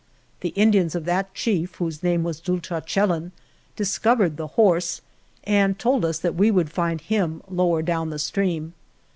The Indians of that chief (whose name was Dulchan chellin) discovered the horse and told us that we would find him lower down the stream.